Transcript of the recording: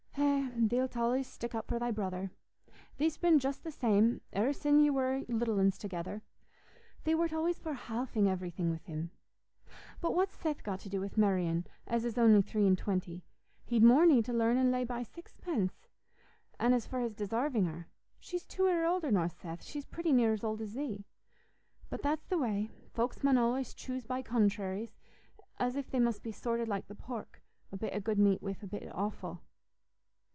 "Eh, thee't allays stick up for thy brother. Thee'st been just the same, e'er sin' ye war little uns together. Thee wart allays for halving iverything wi' him. But what's Seth got to do with marryin', as is on'y three an' twenty? He'd more need to learn an' lay by sixpence. An' as for his desarving her—she's two 'ear older nor Seth: she's pretty near as old as thee. But that's the way; folks mun allays choose by contrairies, as if they must be sorted like the pork—a bit o' good meat wi' a bit o' offal."